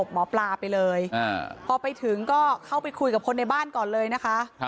หมอปลาไปเลยพอไปถึงก็เข้าไปคุยกับคนในบ้านก่อนเลยนะคะ